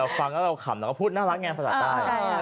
ฟังแล้วเราขำเราก็พูดน่ารักไงภาษาใต้